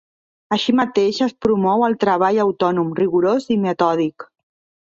Així mateix, es promou el treball autònom, rigorós i metòdic.